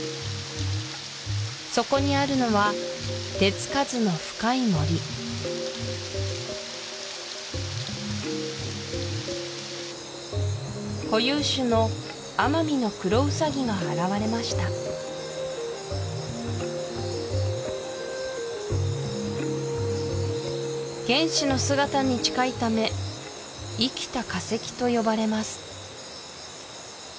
そこにあるのは手つかずの深い森固有種のアマミノクロウサギが現れました原始の姿に近いため「生きた化石」とよばれます